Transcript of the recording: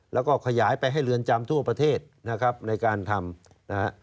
แล้วก็ขยายไปให้เรือนจำทั่วประเทศนะครับในการทำนะฮะ